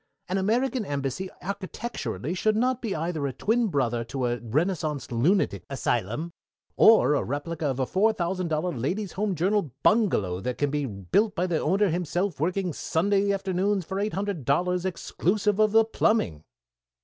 An American Embassy architecturally should not be either a twin brother to a Renaissance lunatic asylum, or a replica of a four thousand dollar Ladies' Home Journal bungalow that can be built by the owner himself working Sunday afternoons for eight hundred dollars, exclusive of the plumbing."